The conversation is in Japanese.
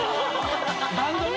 バンドね。